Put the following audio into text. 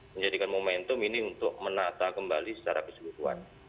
menjadikan momentum ini untuk menata kembali secara keseluruhan